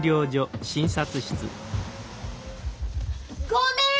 ごめん！